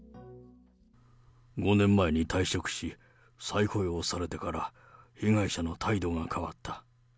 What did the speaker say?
５年前に退職し、再雇用されてから、被害者の態度が変わった。